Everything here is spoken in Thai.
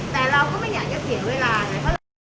แต่เราก็ไม่อยากจะเสียเวลา